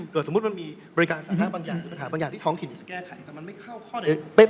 เกิดสมมุติว่ามีบริการอาสาธารณะบันอย่างที่ท้องถิ่นอาจจะแก้ไข